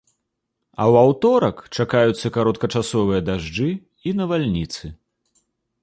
А ў аўторак чакаюцца кароткачасовыя дажджы і навальніцы.